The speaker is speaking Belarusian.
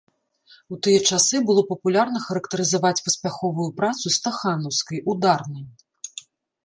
У тыя часы было папулярна характарызаваць паспяховую працу стаханаўскай, ударнай.